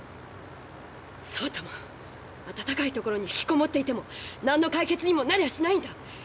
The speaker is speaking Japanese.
そうとも暖かい所に引きこもっていてもなんの解決にもなりゃしないんだ。